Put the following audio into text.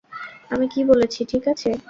আমি কি বলেছি ঠিক আছে!